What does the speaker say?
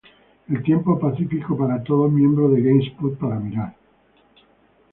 El tiempo pacífico para todos miembros de GameSpot para mirar.